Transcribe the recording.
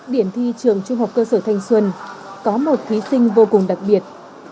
điểm thi trường trung học cơ sở thanh xuân có một thí sinh vô cùng đặc biệt